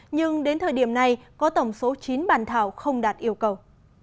nhưng đến thời điểm này có tổng số chín bản thảo không đạt yêu cầu